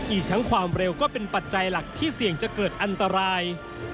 อีกทั้งความเร็วก็เป็นปัจจัยหลักที่เสี่ยงจะเกิดอันตราย